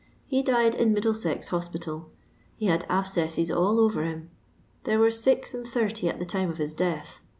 He died in Middlesex Ho^tal : he had abscesses all over him ; there were six and thirty at the time of his death.